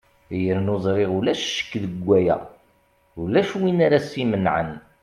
yernu ẓriɣ ulac ccek deg waya ulac win ara s-imenɛen